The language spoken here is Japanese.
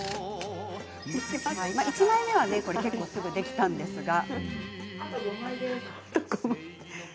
１枚目は結構すぐにできたんですが。